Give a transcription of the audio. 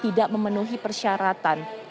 tidak memenuhi persyaratan